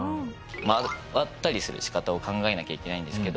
回ったりする仕方を考えなきゃいけないんですけど。